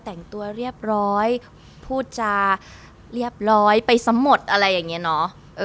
แต่งตัวเรียบร้อยพูดจาเรียบร้อยไปซ้ำหมดอะไรอย่างนี้เนอะ